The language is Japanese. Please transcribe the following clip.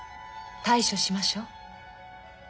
対処しましょう。